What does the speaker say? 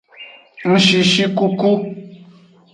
Ngshishikuku.